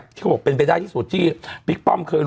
เมื่อก่อนแหละนายกยังอยู่อีก๒ปี